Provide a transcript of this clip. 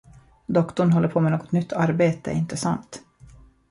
Doktorn håller på med något nytt arbete, inte sant?